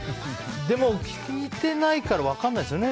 でも、聞いてないから分からないですよね。